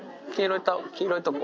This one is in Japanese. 黄色いとこ。